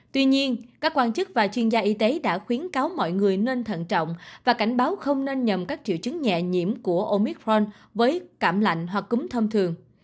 tuy nhiên các quan chức và chuyên gia y tế đã khuyến cáo mọi người nên thận trọng và cảnh báo không nên nhầm các triệu chứng nhẹ nhiễm của omicron với cảm lạnh hoặc cúm thông thường